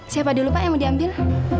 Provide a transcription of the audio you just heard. siapa dulu pak yang mau diambil